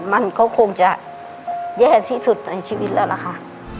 มันก็คงจะแย่ที่สุดในชีวิตแล้วล่ะค่ะ